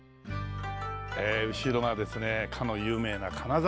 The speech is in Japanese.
後ろがですねかの有名な金沢城。